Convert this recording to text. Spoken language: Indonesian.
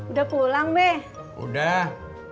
udah pulang deh udah